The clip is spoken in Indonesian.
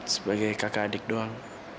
sebagai kakak adik doang